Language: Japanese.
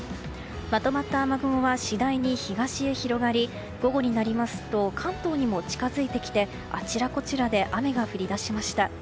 まとまった雨雲は次第に東に広がり午後になりますと関東にも近づいてきてあちらこちらで雨が降り出しました。